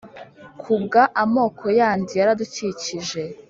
kubwa amoko yandi yaradukikije